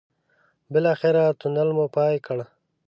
بالاخره تونل مو پای کړ.